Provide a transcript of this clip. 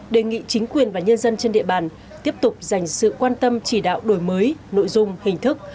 đề nghị chính quyền và nhân dân trên địa bàn tiếp tục dành sự quan tâm chỉ đạo đổi mới nội dung hình thức